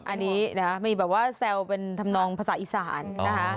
อันนี้นะคะมีแบบว่าแซวเป็นทำนองภาษาอีสานนะคะ